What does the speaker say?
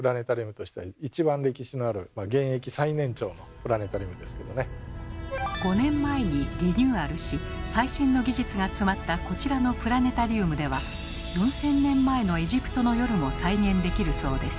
一番歴史のある現役最年長の最新の技術が詰まったこちらのプラネタリウムでは４，０００年前のエジプトの夜も再現できるそうです。